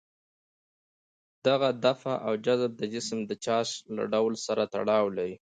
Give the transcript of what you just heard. دغه دفع او جذب د جسم د چارج له ډول سره تړاو لري.